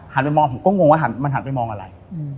ไปมองผมก็งงว่ามันหันไปมองอะไร